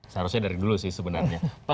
seharusnya dari dulu sih sebenarnya